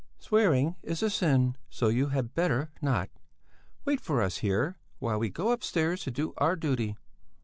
"Swearing is a sin, so you had better not. Wait for us here, while we go upstairs to do our duty."